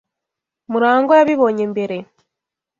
Murangwa yabibonye mbere.